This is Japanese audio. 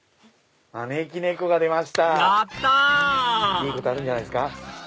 いいことあるんじゃないですか。